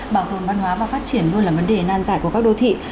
bảo tồn văn hóa và phát triển luôn là vấn đề nan giải của các đô thị